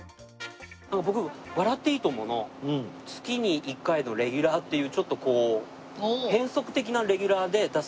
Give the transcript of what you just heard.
僕『笑っていいとも！』の月に１回のレギュラーっていうちょっと変則的なレギュラーで出させて頂いた事が。